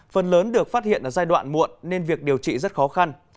phần lớn được phát hiện ở giai đoạn muộn nên việc điều trị rất khó khăn